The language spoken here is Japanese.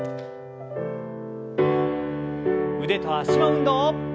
腕と脚の運動。